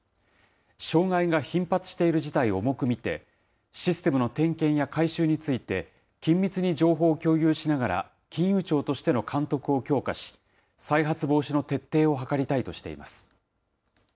障害が頻発している事態を重く見て、システムの点検や改修について、緊密に情報を共有しながら、金融庁としての監督を強化し、再発防止の徹底を図りたいとしています。